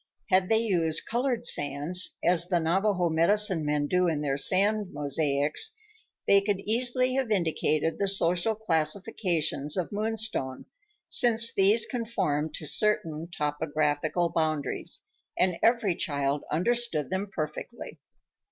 Had they used colored sands, as the Navajo medicine men do in their sand mosaics, they could easily have indicated the social classifications of Moonstone, since these conformed to certain topographical boundaries, and every child understood them perfectly.